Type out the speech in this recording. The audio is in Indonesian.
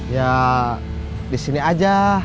ya disini aja